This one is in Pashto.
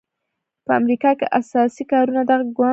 په امریکا کې اساسي کارونه دغه ګوند کوي.